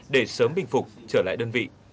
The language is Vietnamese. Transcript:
để sớm bình phục trở lại đơn vị